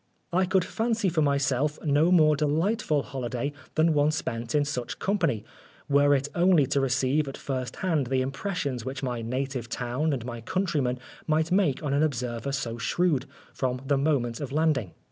I could fancy for myself no more delightful holiday than one spent in such company, were it only to receive at first hand the impressions which my native town and my countrymen might make on an observer so shrewd, from the moment of landing.